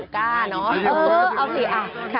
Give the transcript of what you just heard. กล้าเนอะเอาสิเอาสิ